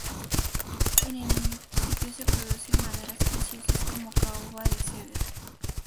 En el municipio se producen maderas preciosas como caoba y cedro.